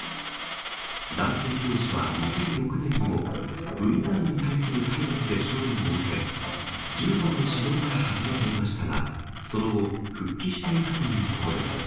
男性教師は２００６年にも、部員などに対する体罰で処分を受け、柔道の指導から外れていましたが、その後、復帰していたということです。